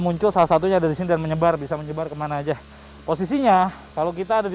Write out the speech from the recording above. muncul salah satunya dari sini dan menyebar bisa menyebar kemana aja posisinya kalau kita ada di